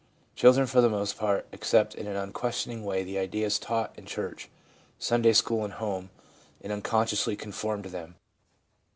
Children, for the most part, accept in an unquestioning way the ideas taught in church, Sunday school and home, and unconsciously conform to them.